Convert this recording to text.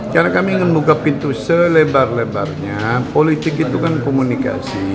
karena kami ingin membuka pintu selebar lebarnya politik itu kan komunikasi